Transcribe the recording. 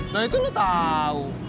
nah itu lo tau